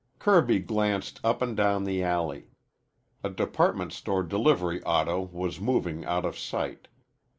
Kirby glanced up and down the alley. A department store delivery auto was moving out of sight.